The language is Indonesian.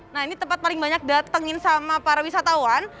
nah ini tempat paling banyak datengin sama para wisatawan